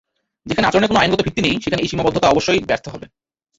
যেখানে আচরণের কোনো আইনগত ভিত্তি নেই, সেখানে এই সীমাবদ্ধতা অবশ্যই ব্যর্থ হবে।